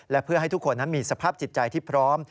และเพื่อให้ทุกคนนั้นมีสภาพจิตใจที่พร้อม